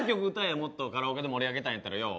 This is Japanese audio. もっとカラオケで盛り上げたいんやったらよ。